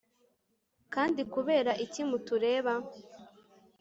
kandi kubera iki mutureba